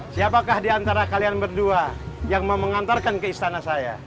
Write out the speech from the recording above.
siapakah diantara kalian berdua yang mau mengantarkan ke istana saya